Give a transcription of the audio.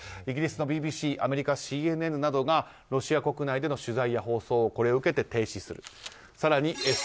イギリスのＢＢＣアメリカのＣＮＮなどがロシア国内での取材や放送をこれを受けて停止する。